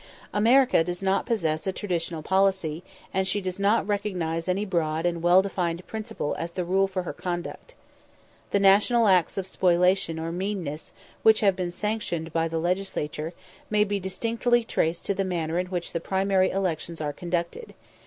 America does not possess a traditional policy, and she does not recognise any broad and well defined principle as the rule for her conduct. The national acts of spoliation or meanness which have been sanctioned by the Legislature may be distinctly traced to the manner in which the primary elections are conducted.